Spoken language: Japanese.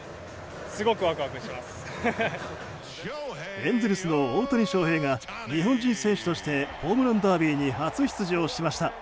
エンゼルスの大谷翔平が日本人選手としてホームランダービーに初出場しました。